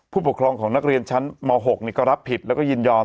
ผู้ปกครองของนักเรียนชั้นม๖ก็รับผิดแล้วก็ยินยอม